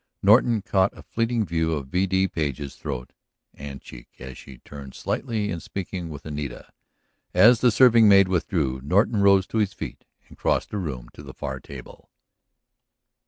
Norton caught a fleeting view of V. D. Page's throat and cheek as she turned slightly in speaking with Anita. As the serving maid withdrew Norton rose to his feet and crossed the room to the far table.